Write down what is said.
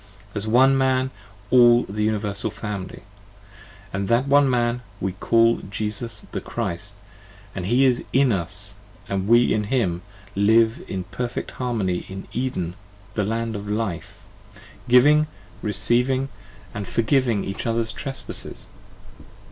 As One Man all the Universal Family: and that One Man 20 We call Jesus the Christ: and he in us, and we in him, Live in perfect harmony in Eden the land of life, Giving, recieving, and forgiving each other's trespasses.